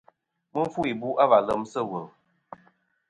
Mɨ fu ibu' a va lem sɨ̂ wul.